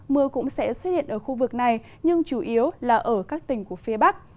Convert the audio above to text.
mưa cũng sẽ xuất hiện ở khu vực này nhưng chủ yếu là ở các tỉnh của phía bắc